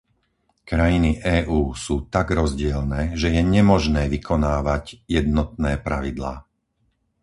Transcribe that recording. Krajiny EÚ sú tak rozdielne, že je nemožné vykonávať jednotné pravidlá.